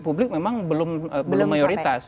publik memang belum mayoritas